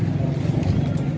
malam jawa tenggara